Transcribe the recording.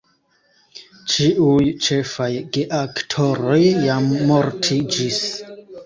Ĉiuj ĉefaj geaktoroj jam mortiĝis.